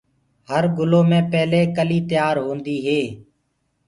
هر گُلو مي پيلي ڪِلي تيآر هوندي هي۔